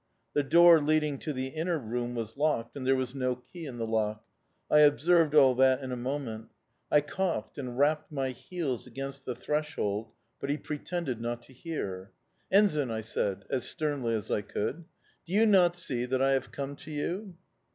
The door leading to the inner room was locked, and there was no key in the lock. I observed all that in a moment... I coughed and rapped my heels against the threshold, but he pretended not to hear. "'Ensign!' I said, as sternly as I could. 'Do you not see that I have come to you?